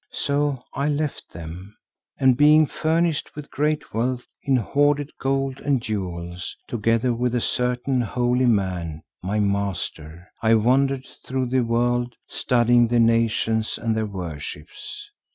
So I left them, and being furnished with great wealth in hoarded gold and jewels, together with a certain holy man, my master, I wandered through the world, studying the nations and their worships.